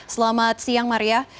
selamat siang maria